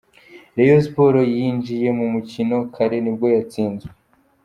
Rayon Sports yinjiye mu mukino kare nubwo yatsinzwe.